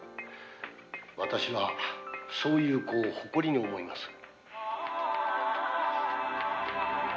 「私はそういう子を誇りに思います」